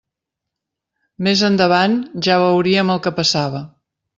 Més endavant ja veuríem el que passava.